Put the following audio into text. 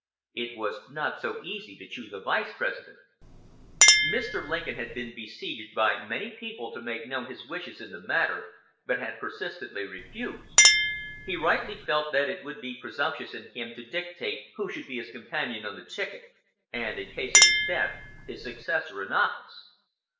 It was not so easy to choose a Vice President. Mr. Lincoln had been besieged by many people to make known his wishes in the matter, but had persistently refused. He rightly felt that it would be presumptuous in him to dictate who should be his companion on the ticket, and, in case of his death, his successor in office.